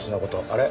あれ？